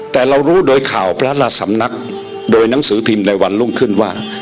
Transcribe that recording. แต่เรารู้โดยข่าวพระละสำนักโดยหนังสือพิมพ์ในวันรุ่งขึ้นว่า